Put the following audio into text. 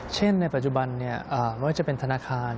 เช่นในปัจจุบันเนี่ยไม่ว่าจะเป็นธนาคาร